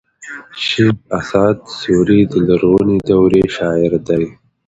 شېخ اسعد سوري د لرغوني دورې شاعر دﺉ.